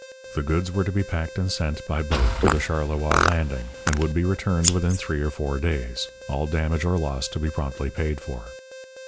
The goods were to be packed and sent, by boat, to the Charleroi landing, and would be returned within three or four days. All damage or loss to be promptly paid for.